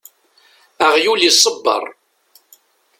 Aɣyul isebber.